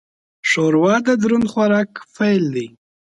ښوروا د دروند خوراک پیل دی.